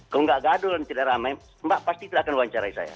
kalau nggak gaduh dan tidak ramai mbak pasti tidak akan wawancarai saya